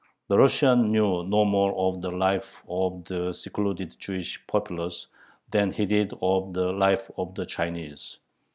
The Russian knew no more of the life of the secluded Jewish populace than he did of the life of the Chinese.